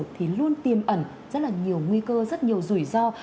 thì luôn tiêm ẩn rất là nhiều nguy cơ rất nhiều rủi ro